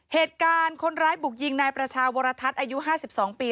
เหตุการณ์คนร้ายบุกยิงนายประชาวรทัศน์อายุ๕๒ปี